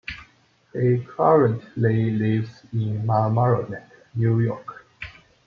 He currently lives in Mamaroneck, New York.